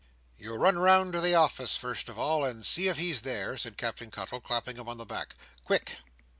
"You run round to the office, first of all, and see if he's there," said Captain Cuttle, clapping him on the back. "Quick!"